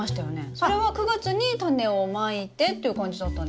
それは９月にタネをまいてという感じだったんですけど。